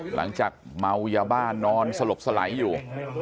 หลังจากเมายาบ้านนอนสลบสลายอยู่